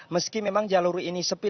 meski memang jalur ini sepi